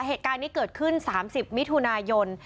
เหตุการณ์นี้เกิดขึ้น๓๐มิถุนายน